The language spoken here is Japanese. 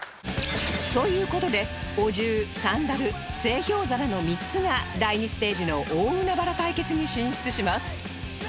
という事でお重サンダル製氷皿の３つが第２ステージの大海原対決に進出します